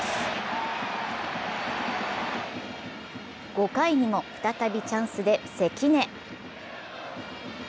５回にも再びチャンスで関根。